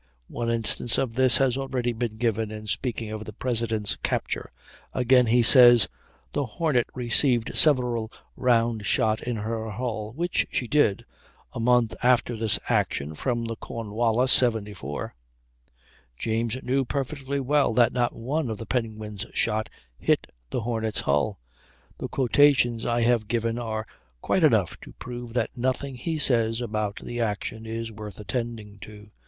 One instance of this has already been given in speaking of the President's capture. Again, he says, "the Hornet received several round shot in her hull," which she did a month after this action, from the Cornwallis, 74; James knew perfectly well that not one of the Penguin's shot hit the Hornet's hull. The quotations I have given are quite enough to prove that nothing he says about the action is worth attending to.